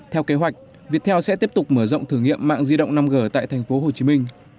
theo kế hoạch viettel sẽ tiếp tục mở rộng thử nghiệm mạng di động năm g tại tp hcm